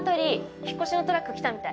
引っ越しのトラック来たみたい。